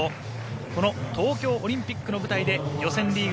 この東京オリンピックの舞台で予選リーグ